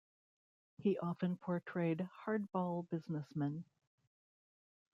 He often portrayed hard-ball businessmen.